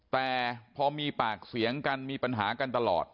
แต่พอมีปากเสียงกันมีปัญหากันตลอด